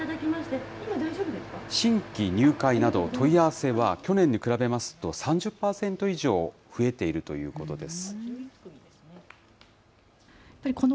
新規入会など、問い合わせは去年に比べますと３０％以上増えているということです。